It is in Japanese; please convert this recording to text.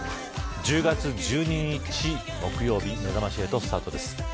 １０月１２日、木曜日めざまし８スタートです。